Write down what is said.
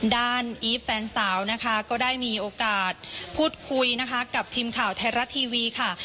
อีฟแฟนสาวนะคะก็ได้มีโอกาสพูดคุยนะคะกับทีมข่าวไทยรัฐทีวีค่ะ